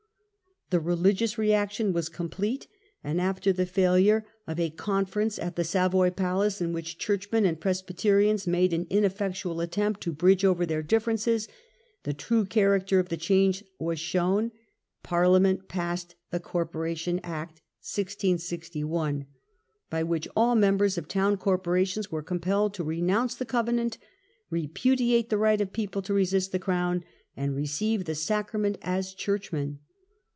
The religious reaction was complete ; and after the failure of a confer PERSECUTION OF DISSENTERS. T^ ence at the Savoy Palace, in which Churchmen and Pres byterians made an ineffectual attempt to bridge over their differences, the true character of the change was shown. Parliament passed the Corporation Act (1661), by which all members of town corporations were compelled to re nounce the Covenant, repudiate the right of people to resist the crown, and receive the Sacrament as Church men.